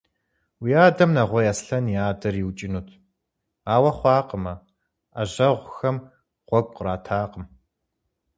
Уи адэм Нэгъуей Аслъэн и адэр иукӀынут, ауэ хъуакъым, Ӏэжьэгъухэм гъуэгу къратакъым.